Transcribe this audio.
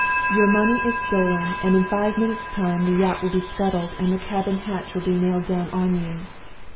Your money is stolen; and in five minutes' time the yacht will be scuttled, and the cabin hatch will be nailed down on you.